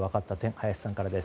林さんからです。